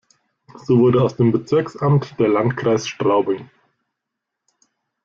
So wurde aus dem Bezirksamt der Landkreis Straubing.